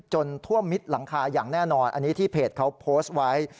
ท่วมมิดหลังคาอย่างแน่นอนอันนี้ที่เพจเขาโพสต์ไว้